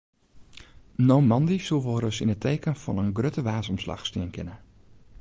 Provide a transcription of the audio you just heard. No moandei soe wolris yn it teken fan in grutte waarsomslach stean kinne.